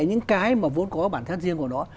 những cái mà vốn có bản thân riêng của nó